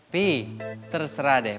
pi terserah deh